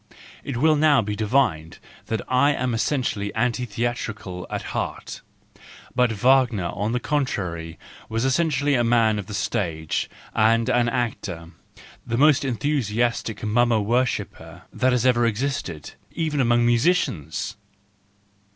... It will now be divined that I am essentially anti theatrical at heart,—but Wagner on the contrary, was essentially a man of the stage and an actor, the most enthusiastic mummer worshipper that has ever existed, even among musicians!